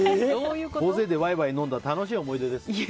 大勢でワイワイ飲んだ楽しい思い出です。